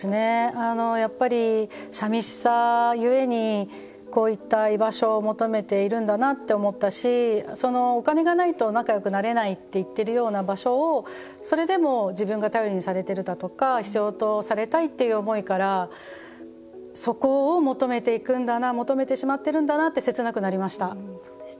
やっぱり、さみしさゆえにこういった居場所を求めているんだなって思ったしそのお金がないと仲よくなれないって言ってるような場所をそれでも自分が頼りにされてるだとか必要とされたいっていう思いからそこを求めていくんだな求めてしまってるんだなって切なくなりました。